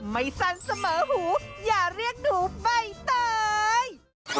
สั้นเสมอหูอย่าเรียกหนูใบเตย